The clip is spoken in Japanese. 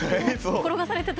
転がされてた。